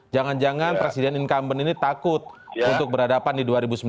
jangan jangan presiden incumbent ini takut untuk berhadapan di dua ribu sembilan belas